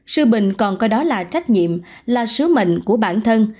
sư bình còn coi đó là trách nhiệm là sứ mệnh của bản thân